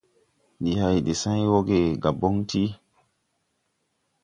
Ndi hay de sãy wɔge Gabɔŋ ti.